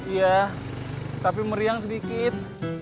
iya tapi meriang sedikit